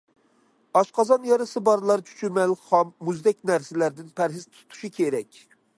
ئاشقازان يارىسى بارلار چۈچۈمەل، خام، مۇزدەك نەرسىلەردىن پەرھىز تۇتۇشى كېرەك.